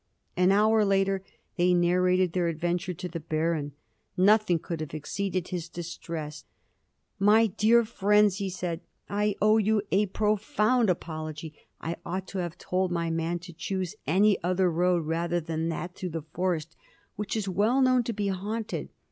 An hour later they narrated their adventure to the Baron. Nothing could have exceeded his distress. "My dear friends!" he said, "I owe you a profound apology. I ought to have told my man to choose any other road rather than that through the forest, which is well known to be haunted.